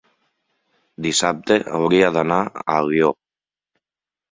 dissabte hauria d'anar a Alió.